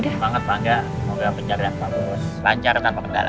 semoga pencarian bagus lancar tanpa kendala